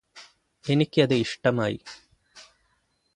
എനിക്കത് ഇഷ്ടമായി